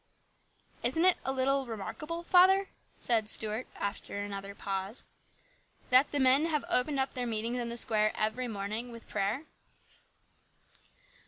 "Isn't it a little remarkable, father," said Stuart after another pause, " that the men have opened their meetings in the square every morning with prayer?"